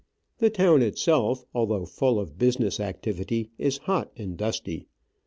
The town itself, although full of business activity, is hot and dusty.